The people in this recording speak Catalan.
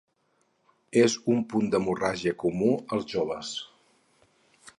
És un punt d'hemorràgia comú als joves.